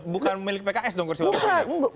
bukan milik pks dong kursi wakil